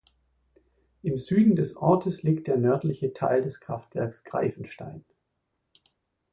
Im Süden des Ortes liegt der nördliche Teil des Kraftwerks Greifenstein.